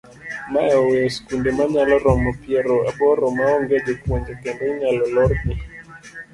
Mae oweyo skunde manyalo romo piero aboro maonge jopuonje kendo inyalo lorogi.